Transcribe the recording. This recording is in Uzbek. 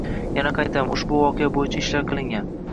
Yana qaytaraman, ushbu voqea boʻyicha ishlar qilingan